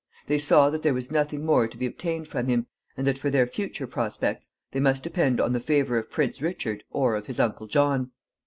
They saw that there was nothing more to be obtained from him, and that, for their future prospects, they must depend on the favor of Prince Richard or of his uncle John.